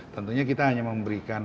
tentunya kita hanya memberikan